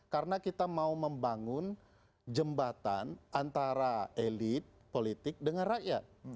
karena kita mau membangun jembatan antara elit politik dengan rakyat